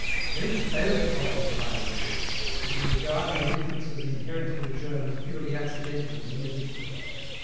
Where we fail to follow these biologists, is in regarding the differences inherent in the germ as purely accidental and individual.